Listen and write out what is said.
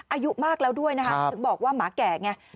อายุมากแล้วด้วยนะคะถึงบอกว่าหมาแก่ไง